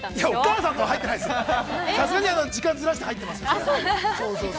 さすがに、時間をずらして入っています。